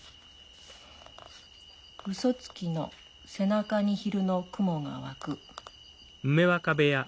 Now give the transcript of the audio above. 「嘘つきの背中に昼の雲がわく」。